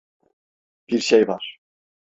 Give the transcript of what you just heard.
Birşey var.